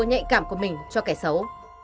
nhạy cảm của mình cho kẻ xấu